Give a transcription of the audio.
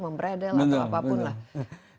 membreadel atau apapun lah